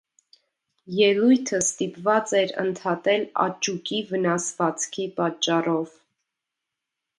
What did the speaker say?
Ելույթը ստիպված էր ընդհատել աճուկի վնասվածքի պատճառով։